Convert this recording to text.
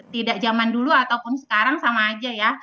tidak zaman dulu ataupun sekarang sama aja ya